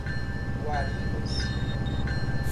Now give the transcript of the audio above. Guarinos